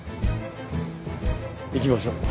行きましょう。